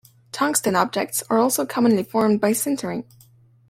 Tungsten objects are also commonly formed by sintering.